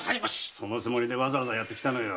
そのつもりでわざわざ来たのよ。